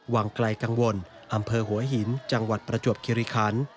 วังไกลกังวลอำเภอหัวหินจังหวัดประจวบคิริคัน